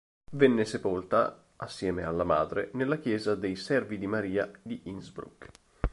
Venne sepolta, assieme alla madre, nella Chiesa dei Servi di Maria di Innsbruck.